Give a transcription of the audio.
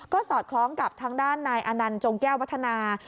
ก็สอดคล้องกับทางด้านนายอนันต์จงแก้ววัฒนา